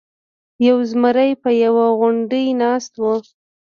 یو زمری په یوه غونډۍ ناست و.